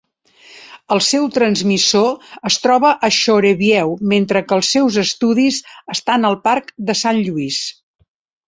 El seu transmissor es troba a Shoreview, mentre que els seus estudis estan al parc de San Lluís.